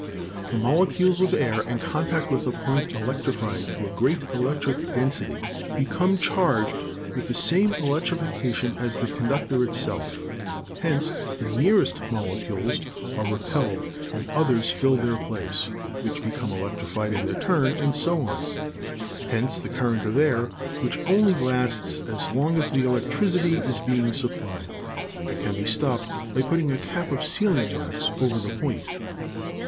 The molecules of air, in contact with a point electrified to a great electric density, become charged with the same elec trification as the conductor itself. Hence the nearest! molecules are repelled and others fill their place, which become electrified in their turn, and so on. Hence the current of air, which only lasts as long as the electricity is being supplied. It can be stopped by putting a cap of sealing wax over the point."